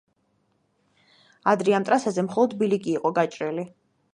ადრე ამ ტრასაზე მხოლოდ ბილიკი იყო გაჭრილი.